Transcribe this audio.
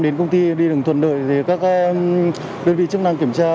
đến công ty đi đường thuận lợi thì các đơn vị chức năng kiểm tra